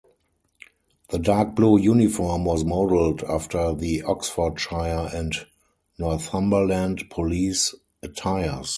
The dark blue uniform was modelled after the Oxfordshire and Northumberland police attires.